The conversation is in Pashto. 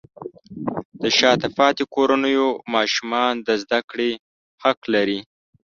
د شاته پاتې کورنیو ماشومان د زده کړې حق لري.